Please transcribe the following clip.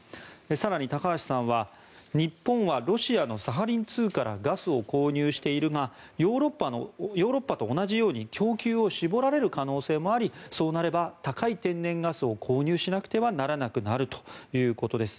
更に、高橋さんは日本はロシアのサハリン２からガスを購入しているがヨーロッパと同じように供給を絞られる可能性もありそうなれば高い天然ガスを購入しなくてはならなくなるということです。